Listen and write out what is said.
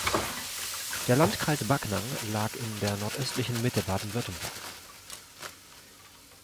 Der Landkreis Backnang lag in der nordöstlichen Mitte Baden-Württembergs.